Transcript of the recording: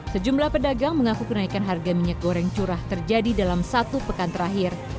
sejumlah pedagang mengaku kenaikan harga minyak goreng curah terjadi dalam satu pekan terakhir